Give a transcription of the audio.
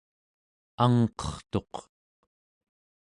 angqertuq